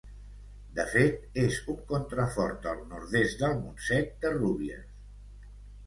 De fet, és un contrafort del nord-est del Montsec de Rúbies.